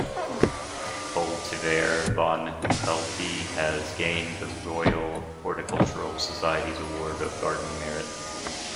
The cultivar 'Van-Houttei' has gained the Royal Horticultural Society's Award of Garden Merit.